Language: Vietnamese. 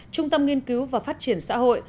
trung tâm nghiên cứu và phát triển xã hội